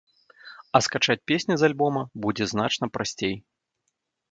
А скачаць песні з альбома будзе значна прасцей.